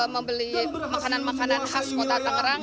membeli makanan makanan khas kota tangerang